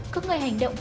có người hành động